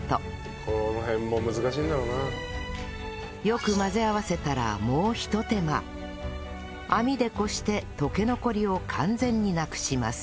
よく混ぜ合わせたらもうひと手間網でこして溶け残りを完全になくします